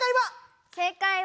正解は？